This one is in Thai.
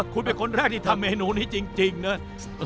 คุณเป็นคนแรกที่ทำเมนูนี้จริงนะ